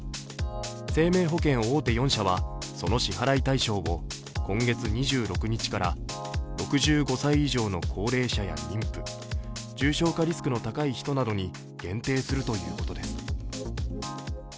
生命保険大手４社はその支払い対象を今月２６日から６５歳以上の高齢者や妊婦、重症化リスクの高い人などに限定するということです。